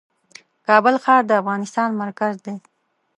کابل ښار د افغانستان مرکز دی .